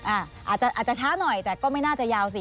อาจจะอาจจะช้าหน่อยแต่ก็ไม่น่าจะยาวสิ